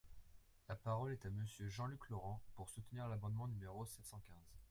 La parole est à Monsieur Jean-Luc Laurent, pour soutenir l’amendement numéro sept cent quinze.